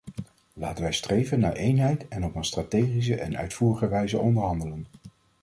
Laten wij streven naar eenheid en op een strategische en uitvoerige wijze onderhandelen.